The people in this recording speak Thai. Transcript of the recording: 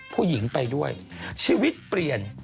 ผู้หญิงไปด้วยชีวิตเปลี่ยน